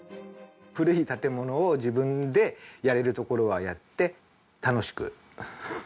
古い建物を自分でやれるところはやって楽しく。